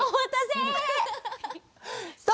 さあ